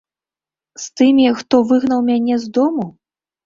З тымі, хто выгнаў мяне з дому?